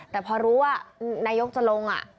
แต่พอรู้ว่านายกจะลง